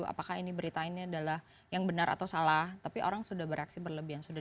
apakah ini berita ini adalah yang benar atau salah tapi orang sudah bereaksi berlebihan sudah